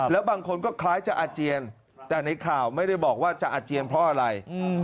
แล้วบางคนก็คล้ายจะอาเจียนแต่ในข่าวไม่ได้บอกว่าจะอาเจียนเพราะอะไร